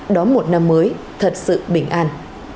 đóng một năm mới thật sự bình an